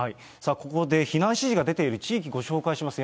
ここで避難指示が出ている地域、ご紹介します。